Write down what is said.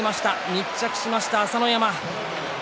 密着しました、朝乃山。